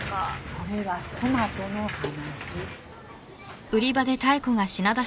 それはトマトの話。